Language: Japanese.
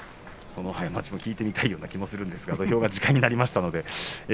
その過ちも聞いてみたいような気がしますが土俵が時間になりました。